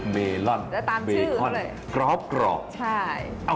เมลอนเบคอนกรอบใช่